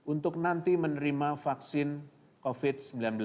untuk nanti menerima vaksin covid sembilan belas